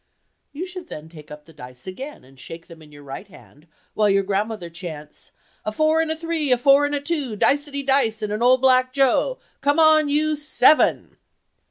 You should then take up the dice again and shake them in your right hand while your grandmother chants, "A four and a three—a four and a two—dicety dice, and an old black joe—come on, you SEVEN!"